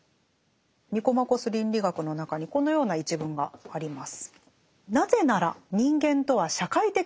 「ニコマコス倫理学」の中にこのような一文があります。